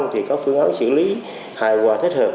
thì có phương án xử lý hài hòa thích hợp